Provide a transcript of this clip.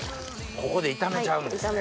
ここで炒めちゃうんですね。